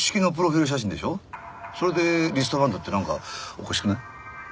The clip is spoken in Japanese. それでリストバンドってなんかおかしくない？